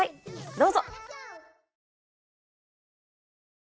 どうぞ。